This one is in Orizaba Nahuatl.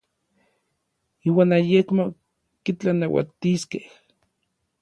Iuan ayekmo kitlanauatiskej.